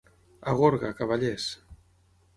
A Gorga, cavallers.